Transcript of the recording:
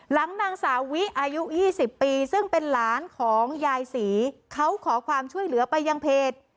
หลังนางสาวิอายุ๒๐ปีซึ่งเป็นหลานของยายศรีเขาขอความช่วยเหลือไปยังเพจ